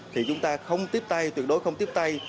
thì chúng ta không tiếp tay tuyệt đối không tiếp tay